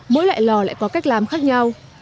mỗi loại lò lại có cách làm khác nhau